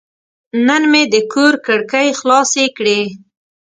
نن مې د کور کړکۍ خلاصې کړې.